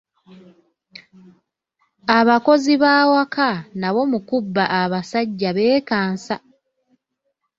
Abakozi b’awaka nabo mu kubba abasajja beekansa.